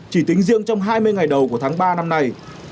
chỉ tính riêng trong hai mươi ngày đầu của tháng ba năm nay